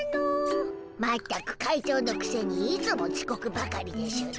全く会長のくせにいつもちこくばかりでしゅな。